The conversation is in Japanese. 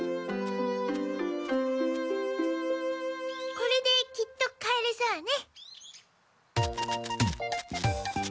これできっと帰れそうね。